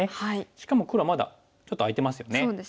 しかも黒はまだちょっと空いてますよね。